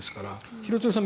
廣津留さん